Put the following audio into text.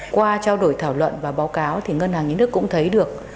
qua trao đổi thảo luận và báo cáo thì ngân hàng nhân nước cũng thấy được